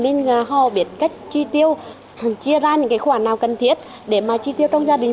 nên họ biết cách chi tiêu chia ra những cái khoản nào cần thiết để mà chi tiêu trong gia đình